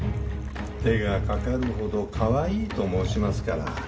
手がかかるほどかわいいと申しますから。